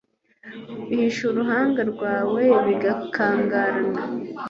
uhisha uruhanga rwawe bigakangarana